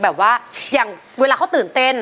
แบบว่าอย่างเวลาเขาตื่นเต้น